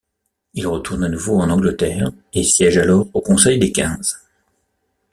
Il retourne à nouveau en Angleterre et siège alors au Conseil des Quinze.